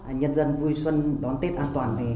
đảm bảo cho nhân dân vui xuân đón tết an toàn